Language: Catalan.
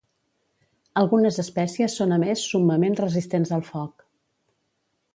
Algunes espècies són a més summament resistents al foc.